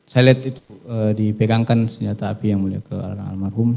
saya lihat itu dipegangkan senjata api yang mulia